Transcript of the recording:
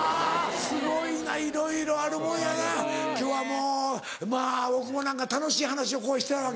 すごいないろいろあるもんやな今日はもうまぁ大久保なんか楽しい話をこうしたわけやろ。